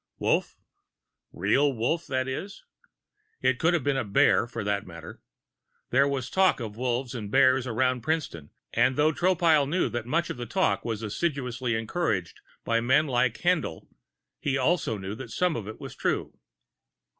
Wolf? Real Wolf, that is? It could have been a bear, for that matter there was talk of wolves and bears around Princeton; and although Tropile knew that much of the talk was assiduously encouraged by men like Haendl, he also knew that some of it was true.